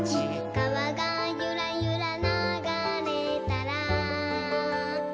「かわがゆらゆらながれたら」